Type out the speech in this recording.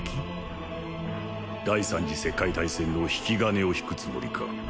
第三次世界大戦の引き金を引くつもりか？